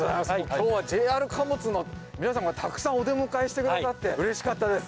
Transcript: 今日はＪＲ貨物の皆さんがたくさんお出迎えして下さってうれしかったです。